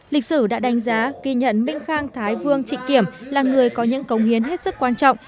lịch sử đã đánh giá ghi nhận minh khang thái vương trịnh kiểm là người có những công hiến hết sức quan trọng